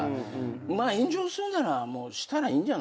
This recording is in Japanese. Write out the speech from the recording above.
まあ炎上すんならしたらいいんじゃないって。